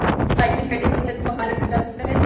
cycling کرتے ہوئے صحت کو بحال رکھا جا سکتا ہے